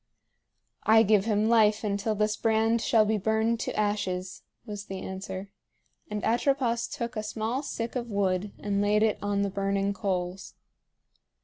"I give him life until this brand shall be burned to ashes," was the answer; and Atropos took a small stick of wood and laid it on the burning coals.